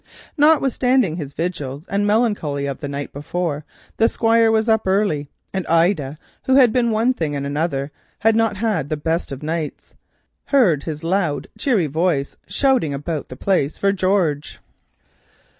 Notwithstanding his vigils and melancholy of the night before, the Squire was up early, and Ida, who between one thing and another had not had the best of nights, heard his loud cheery voice shouting about the place for "George."